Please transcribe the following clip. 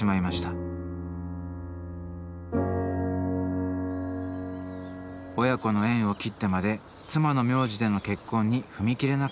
親子の縁を切ってまで妻の名字での結婚に踏み切れなかった私。